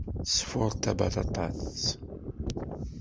Tesfuṛ-d tabaṭaṭat.